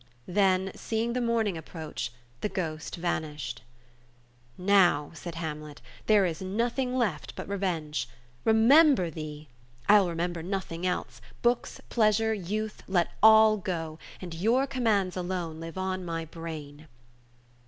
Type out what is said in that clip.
Then seeing the morning approach, the ghost vanished. "Now," said Hamlet, "there is nothing left but revenge. Remem ber thee — I will remember nothing else — ^books, pleasure, youth — let all go — and your commands alone live on my brain."